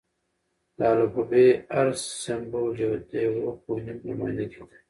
د الفبې: هر سېمبول د یوه فونیم نمایندګي کوي.